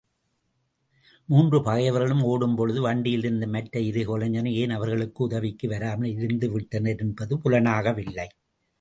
மூன்று பகைவர்களும் ஓடும் பொழுது வண்டியிலிருந்த மற்ற இருகொலைஞரும் ஏன் அவர்களுக்கு உதவிக்கு வராமல் இருந்துவிட்டனர் என்பது புலனாகவில்லை.